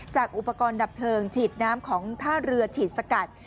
อุปกรณ์ดับเพลิงฉีดน้ำของท่าเรือฉีดสกัด